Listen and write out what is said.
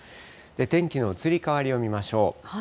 天気の移り変わりを見ましょう。